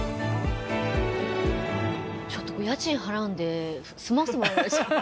ちょっとお家賃払うんで住ませてもらえないですか。